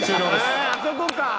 あそこか。